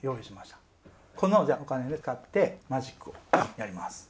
このお金を使ってマジックをやります。